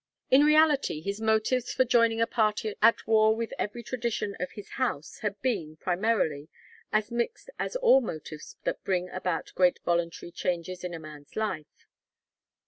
In reality his motives for joining a party at war with every tradition of his house had been, primarily, as mixed as are all motives that bring about great voluntary changes in a man's life.